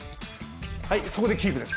はいそこでキープです